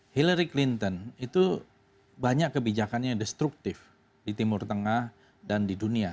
hillary clinton itu banyak kebijakan yang destruktif di timur tengah dan di dunia